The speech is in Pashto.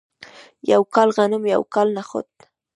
یو کال غنم یو کال نخود.